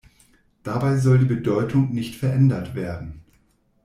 Dabei soll die Bedeutung nicht verändert werden.